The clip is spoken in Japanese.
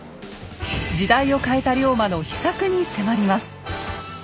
時代を変えた龍馬の秘策に迫ります。